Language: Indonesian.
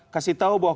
kasih tau bahwa